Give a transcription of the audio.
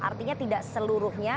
artinya tidak seluruhnya